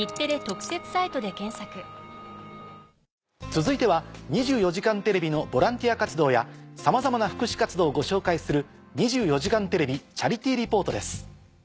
続いては『２４時間テレビの』ボランティア活動やさまざまな福祉活動をご紹介する。